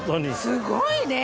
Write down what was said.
すごいね！